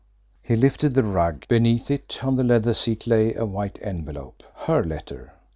He lifted the rug. Beneath it on the leather seat lay a white envelope. Her letter!